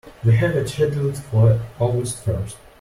We have it scheduled for August first.